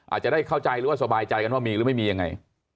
อาจจะได้เข้าใจหรือว่าสบายใจกันว่ามีหรือไม่มียังไง